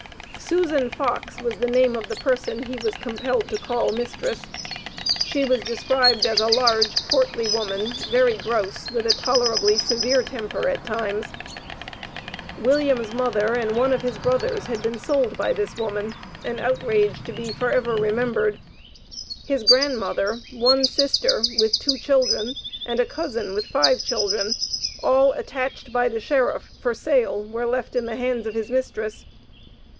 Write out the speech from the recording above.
Susan Fox was the name of the person he was compelled to call mistress. She was described as a "large, portly woman, very gross, with a tolerably severe temper, at times." William's mother and one of his brothers had been sold by this woman an outrage to be forever remembered. His grandmother, one sister, with two children, and a cousin with five children, all attached by the sheriff, for sale, were left in the hands of his mistress.